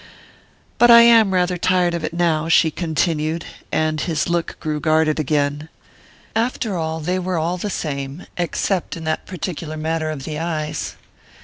"But I am rather tired of it now," she continued, and his look grew guarded again. After all, they were all the same except in that particular matter of the eyes.